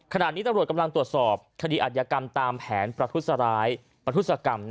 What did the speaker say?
ขณะนี้ตำรวจกำลังตรวจสอบคดีอัธยกรรมตามแผนประทุษร้ายประทุศกรรม